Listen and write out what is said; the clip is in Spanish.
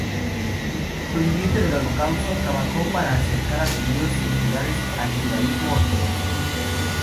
Sobreviviente del Holocausto, trabajó para acercar a judíos seculares al judaísmo ortodoxo.